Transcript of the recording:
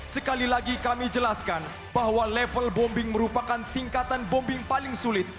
sekali lagi kami jelaskan bahwa level bombing merupakan tingkatan bombing paling sulit